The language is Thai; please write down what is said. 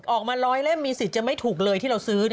ออกมา๑๐๐เล่มมีสิทธิ์จะไม่ถูกเลยที่เราซื้อ